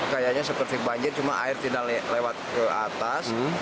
kayaknya seperti banjir cuma air tidak lewat ke atas